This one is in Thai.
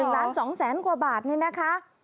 ล้าน๒แสนกว่าบาทนี่นะคะ